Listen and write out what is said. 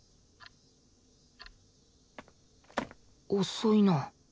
遅いな。